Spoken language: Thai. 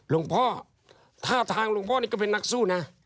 หลวงพ่อท่าทางหลวงพ่อนี่ก็เป็นนักสู้นะ